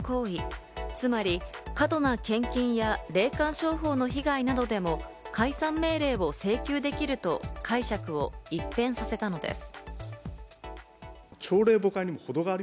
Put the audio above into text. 民法上の不法行為、つまり過度の献金や、霊感商法の被害などでも解散命令を請求できると解釈を一変させたのです。